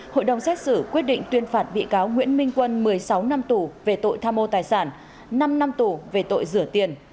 hội đồng xét xử quyết định tuyên phạt bị cáo nguyễn minh quân một mươi sáu năm tù về tội tham mô tài sản năm năm tù về tội rửa tiền